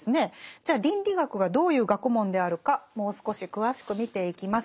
じゃあ倫理学がどういう学問であるかもう少し詳しく見ていきます。